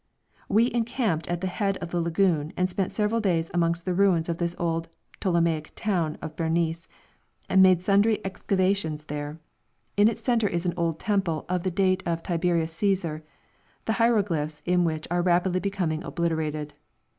We encamped at the head of the lagoon, and spent several days amongst the ruins of this old Ptolemaic town of Berenice, and made sundry excavations there. In its centre is an old temple of the date of Tiberius Cæsar, the hieroglyphs in which are rapidly becoming obliterated.